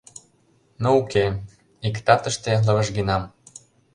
Но уке, ик татыште лывыжгенам.